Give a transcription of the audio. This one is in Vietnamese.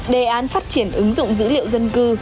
đề án phát triển ứng dụng dữ liệu dân cư